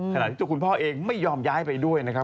ขณะที่ตัวคุณพ่อเองไม่ยอมย้ายไปด้วยนะครับ